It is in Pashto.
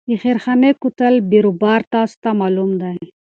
د خیرخانې کوتل بیروبار تاسو ته معلوم دی.